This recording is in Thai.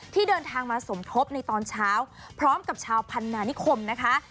ที่เดินทางมาสมทบในตอนเช้าพร้อมกับชาวพันนานิคมนะคะ